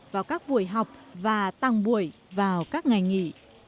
vào các buổi học và tăng buổi vào các ngày nghỉ